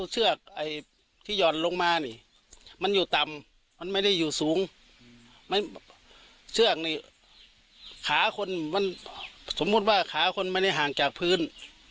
สมมุติว่าขาคนไม่ได้ห่างจากพื้น